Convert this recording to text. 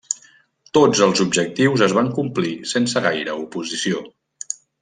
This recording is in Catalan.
Tots els objectius es van complir sense gaire oposició.